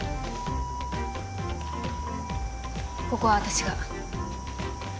ここは私が